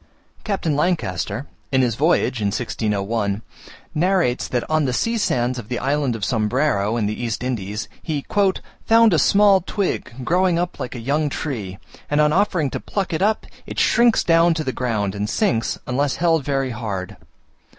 Captain Lancaster, in his voyage in 1601, narrates that on the sea sands of the Island of Sombrero, in the East Indies, he "found a small twig growing up like a young tree, and on offering to pluck it up it shrinks down to the ground, and sinks, unless held very hard.